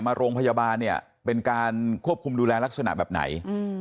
มาโรงพยาบาลเนี่ยเป็นการควบคุมดูแลลักษณะแบบไหน